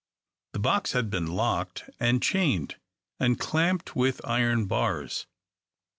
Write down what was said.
The box had been locked, and chained, and clamped with iron bars.